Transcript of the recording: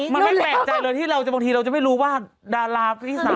มันไม่แปลกใจเลยที่บางทีเราจะไม่รู้ว่าดาราที่๓